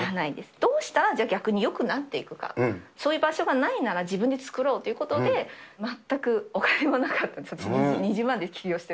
どうしたら、じゃあ、逆によくなっていくか、そういう場所がないなら、自分で作ろうということで、全くお金もなかったんです、２０万円で？